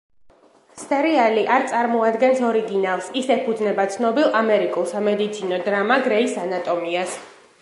სერიალი არ წარმოადგენს ორიგინალს, ის ეფუძნება ცნობილ ამერიკულ სამედიცინო დრამა „გრეის ანატომიას“.